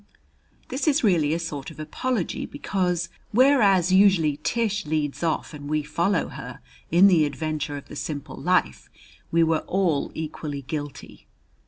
This is really a sort of apology, because, whereas usually Tish leads off and we follow her, in the adventure of the Simple Life we were all equally guilty.